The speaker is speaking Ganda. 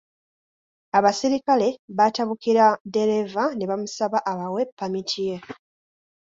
Abasirikale baatabukira ddereeva ne bamusaba abawe ppamiti ye.